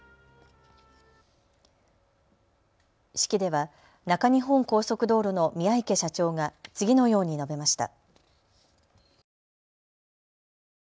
式では中日本高速道路の宮池社長が次のように述べました。